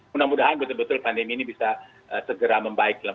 mudah mudahan betul betul pandemi ini bisa segera membaik lah